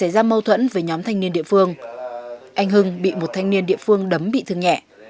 vẫn với nhóm thanh niên địa phương anh hưng bị một thanh niên địa phương đấm bị thương nhẹ